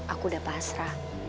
aku udah pasrah